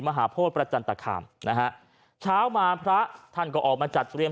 มหาโพธิประจันตคามนะฮะเช้ามาพระท่านก็ออกมาจัดเตรียม